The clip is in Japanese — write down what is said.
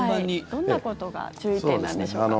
どんなことが注意点なんでしょうか。